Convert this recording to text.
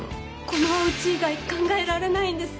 このうち以外考えられないんです。